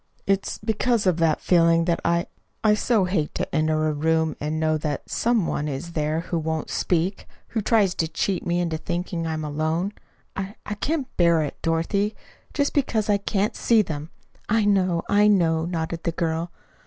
It's because of that feeling that I I so hate to enter a room and know that some one is there who won't speak who tries to cheat me into thinking I am alone. I I can't bear it, Dorothy. Just because I can't see them " "I know, I know," nodded the girl.